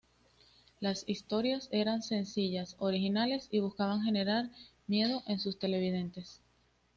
Las historias eran sencillas, originales y buscaban generar miedo en sus televidentes.